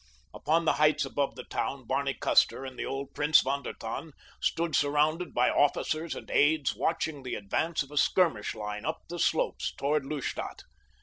Upon the heights above the town Barney Custer and the old Prince von der Tann stood surrounded by officers and aides watching the advance of a skirmish line up the slopes toward Lustadt.